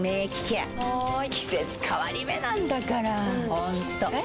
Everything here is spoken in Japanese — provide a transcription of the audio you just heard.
ホントえ？